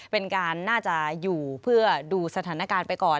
เป็นการน่าจะอยู่เพื่อดูสถานการณ์ไปก่อน